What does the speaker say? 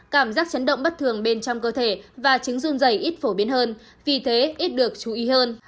cảm giác chấn động bất thường bên trong cơ thể và chứng run dày ít phổ biến hơn vì thế ít được chú ý hơn